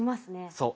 そう。